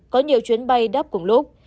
có nhiều chuyến bay đắp cùng lúc